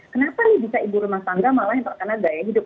kenapa nih bisa ibu rumah tangga malah yang terkena gaya hidup